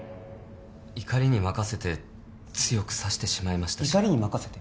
怒りに任せて強く刺してしまいましたし怒りに任せて？